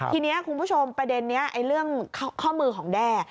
ทีนี้คุณผู้ชมประเด็นนี้เรื่องข้อมือของแด้